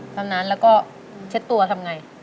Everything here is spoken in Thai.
ทำงานแล้วชัดตัวทำอย่างไร